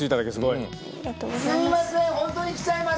すいません！